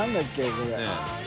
これ。